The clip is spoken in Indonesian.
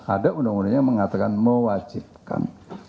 ada undang undang yang mengatakan mewajibkan